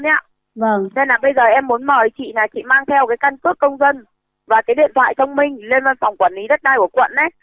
nên bây giờ em muốn mời chị mang theo căn cước công dân và điện thoại thông minh lên văn phòng quản lý đất đai của quận